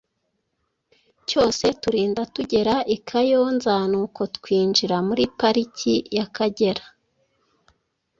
cyose, turinda tugera i Kayonza nuko twinjira muri Pariki y’Akagera.